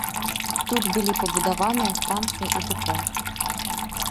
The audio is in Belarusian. Тут былі пабудаваныя станцыя і дэпо.